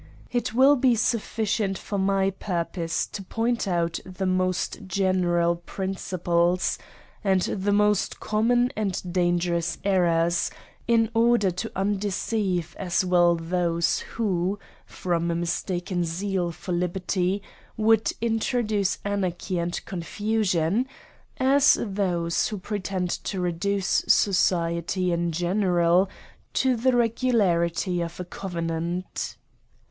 It will be sufficient for my purpose to point out the most general principles, and the most common and dangerous errors, in order to undeceive as well those who, from a mistaken zeal for liberty, would introduce anarchy and confusion, as those who pretend to reduce society in general to the regu larity of a covenant.